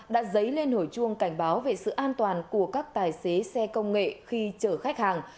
đã dấy lên hồi chuông cảnh báo về sự an toàn của các tài xế xe công nghệ khi chở khách hàng